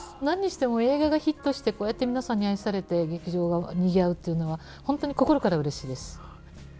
何にしても映画がヒットしてこうやって皆さんに愛されて劇場がにぎわうっていうのは本当に心からうれしいです。